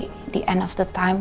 pada akhir waktu